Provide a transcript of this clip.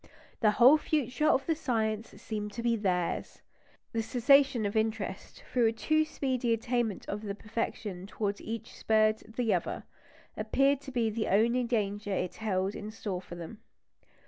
The whole future of the science seemed to be theirs. The cessation of interest through a too speedy attainment of the perfection towards which each spurred the other, appeared to be the only danger it held in store for them.